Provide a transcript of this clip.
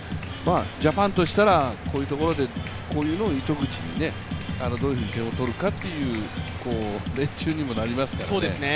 ジャパンとしたら、こういうのを糸口にどういうふうに点を取るか、練習にもなりますから。